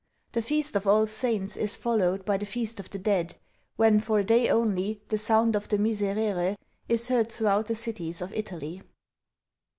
The feast of All Saints is followed by the feast of the dead, when for a day only the sound of the Miserere is heard throughout the cities of Italy.